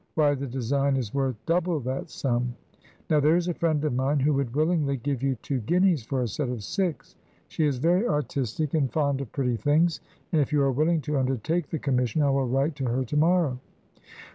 Why, the design is worth double that sum. Now there is a friend of mine who would willingly give you two guineas for a set of six. She is very artistic, and fond of pretty things, and if you are willing to undertake the commission I will write to her to morrow."